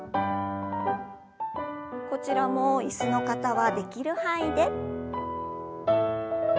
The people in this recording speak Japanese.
こちらも椅子の方はできる範囲で。